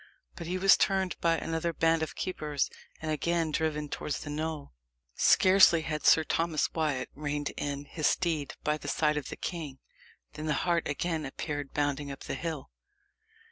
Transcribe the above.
But he was turned by another band of keepers, and again driven towards the knoll. Scarcely had Sir Thomas Wyat reined in his steed by the side of the king, than the hart again appeared bounding up the hill.